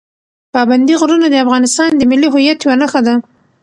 پابندي غرونه د افغانستان د ملي هویت یوه نښه ده.